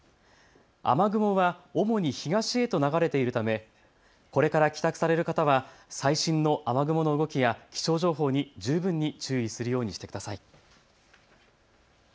雨雲は主に東へと流れているためこれから帰宅される方は最新の雨雲の動きや気象情報に十分に注意するようにしてください。